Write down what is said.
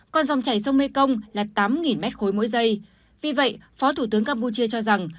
khối mỗi dây vì vậy phó thủ tướng campuchia cho rằng